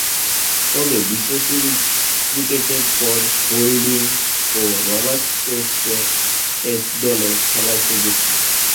তবে, বিশ্ব সিরিজ ক্রিকেটের পর হোল্ডিং ও রবার্টস টেস্ট দলে খেলার সুযোগ পান।